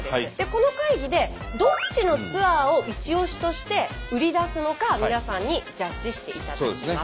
この会議でどっちのツアーをイチオシとして売り出すのか皆さんにジャッジしていただきます。